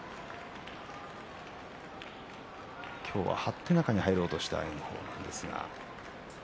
今日は張って中に入ろうとした炎鵬です。